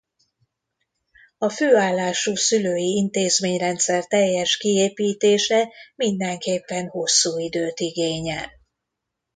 A főállású szülői intézményrendszer teljes kiépítése mindenképpen hosszú időt igényel.